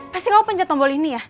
pasti kamu penjahat tombol ini ya